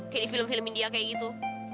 kayak di film film india kayak gitu